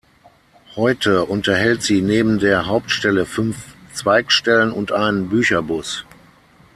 Heute unterhält sie neben der Hauptstelle fünf Zweigstellen und einen Bücherbus.